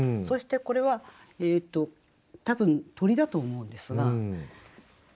そしてこれは多分鳥だと思うんですが。